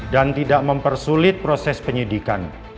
dan tidak mempersulit proses penyidikan